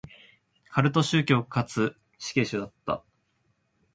カルト教祖かつ死刑囚だった。